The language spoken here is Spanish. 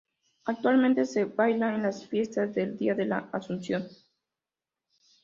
Actualmente se baila en las fiestas del día de la Asunción.